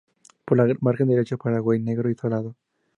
Por la margen derecha, Paraguay, Negro y Salado.